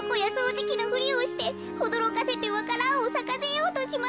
じきのふりをしておどろかせてわか蘭をさかせようとしました。